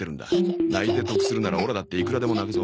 泣いて得するならオラだっていくらでも泣くぞ。